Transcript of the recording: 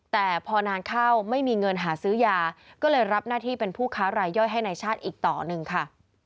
แต่พอนานเข้าไม่มีเงินหาซื้อยาก็เลยรับหน้าที่เป็นผู้ค้ารายย่อยให้ในชาติอีกต่อหนึ่งค่ะ